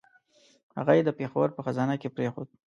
هغه یې د پېښور په خزانه کې پرېښودلې.